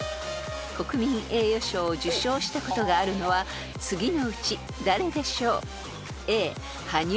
［国民栄誉賞を受賞したことがあるのは次のうち誰でしょう？］